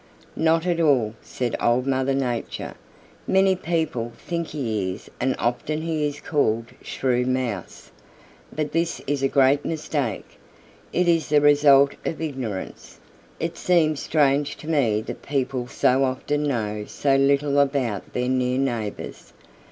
"Not at all," said Old Mother Nature. "Many people think he is and often he is called Shrew Mouse. But this is a great mistake. It is the result of ignorance. It seems strange to me that people so often know so little about their near neighbors."